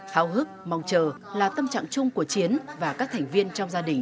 hào hức mong chờ là tâm trạng chung của chiến và các thành viên trong gia đình